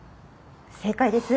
正解です。